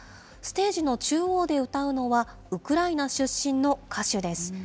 ステージの中央で歌うのは、ウクライナ出身の歌手です。